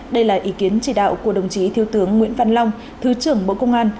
đây là ý kiến chỉ đạo của đồng chí thiếu tướng nguyễn văn long thứ trưởng bộ công an